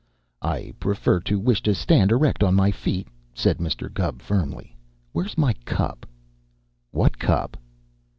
"I prefer to wish to stand erect on my feet," said Mr. Gubb firmly. "Where's my cup?" "What cup?"